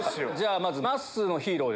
まずまっすーのヒーローですね。